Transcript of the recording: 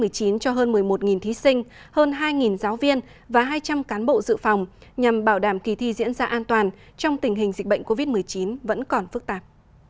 sở cũng sẽ tiến hành xét nghiệm covid một mươi chín cho hơn một mươi một thí sinh hơn hai giáo viên và hai trăm linh cán bộ dự phòng nhằm bảo đảm kỳ thi diễn ra an toàn trong tình hình dịch bệnh covid một mươi chín vẫn còn phức tạp